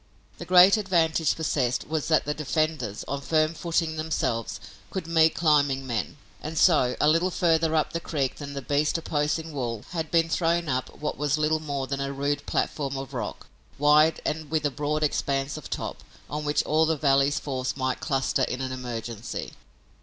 The great advantage possessed was that the defenders, on firm footing themselves, could meet men climbing, and so, a little further up the creek than the beast opposing wall, had been thrown up what was little more than a rude platform of rock, wide and with a broad expanse of top, on which all the valley's force might cluster in an emergency.